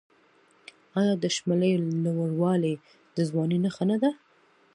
آیا د شملې لوړوالی د ځوانۍ نښه نه ده؟